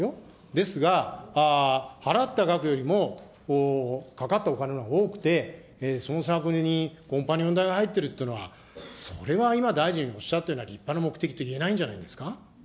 ですが、払った額よりもかかったお金のが多くて、その差額分にコンパニオン代が入ってるっていうのは、それは今、大臣のおっしゃったような立派な目的とは言えないんじゃないです